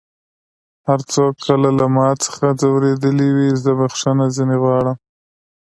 هر څوک که له ما څخه ځؤرېدلی وي زه بخښنه ځينې غواړم